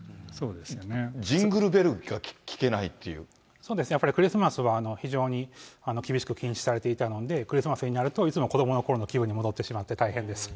ジングルベルが聴けないってそうですね、やっぱりクリスマスは非常に厳しく禁止されていたので、クリスマスになると、いつも子どものころの気分に戻ってしまって大変です。